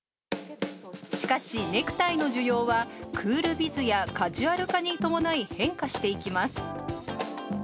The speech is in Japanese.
しかしネクタイの需要は、クールビズやカジュアル化に伴い、変化していきます。